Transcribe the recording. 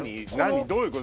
どういうこと？